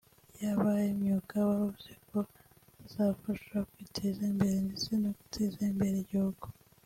yaba ay’imyuga bavuze ko azabafasha kwiteza imbere ndetse no guteza imbere igihugu